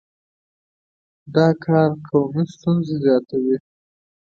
دا کار قومي ستونزې زیاتوي.